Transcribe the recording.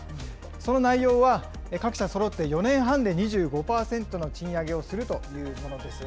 その内容は各社そろって４年半で２５％の賃上げをするというものです。